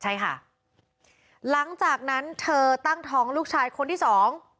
ใช่ค่ะหลังจากนั้นเธอตั้งท้องลูกชายคนที่สอง